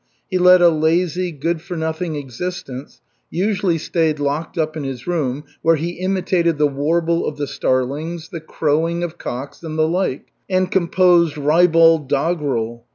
He led a lazy, good for nothing existence, usually stayed locked up in his room, where he imitated the warble of the starlings, the crowing of cocks, and the like, and composed ribald doggerel.